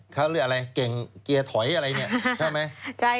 เขาเรียกอะไรเก่งเกียร์ถอยอะไรเนี่ยใช่ไหม